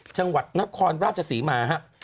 จังหวัดนครราชศรีมาครับ